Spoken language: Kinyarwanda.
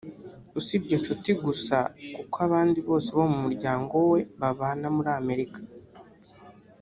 usibye inshuti gusa kuko abandi bose bo mu muryango we babana muri Amerika